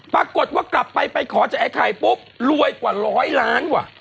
ปรากฏว่ากลับไปไปขอจากไอ้ไข่ปุ๊บรวยกว่าร้อยล้านว่ะ